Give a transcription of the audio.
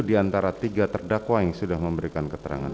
di antara tiga terdakwa yang sudah memberikan keterangan